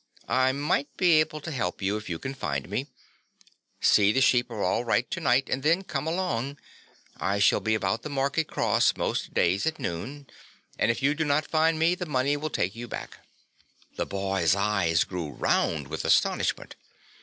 I might be able to help you if you can find me. See the sheep are all right to night and then come along. I shall be about the market cross most days at noon, and if you do not find me the money will take you back." The boy's eyes grew round with astonishment.